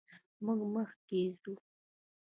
موږ مخکې ځو.